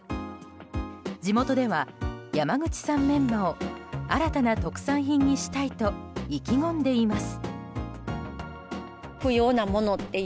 地元では山口産メンマを新たな特産品にしたいと意気込んでいます。